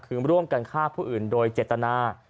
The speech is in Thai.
คือร่วมกันฆ่าผู้อื่นโดยเจตนา